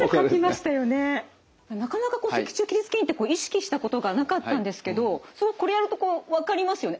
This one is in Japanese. なかなかこう脊柱起立筋って意識したことがなかったんですけどすごくこれやるとこう分かりますよね